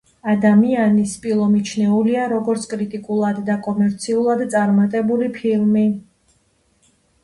ადამიანი-სპილო მიჩნეულია როგორც კრიტიკულად და კომერციულად წარმატებული ფილმი.